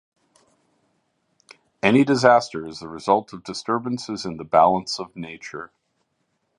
Any disaster is the result of disturbances in the balance of nature.